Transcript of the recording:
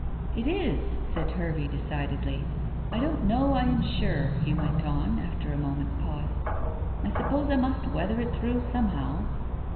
"It is," said Hervey decidedly. "I don't know, I'm sure," he went on, after a moment's pause. "I suppose I must weather through somehow."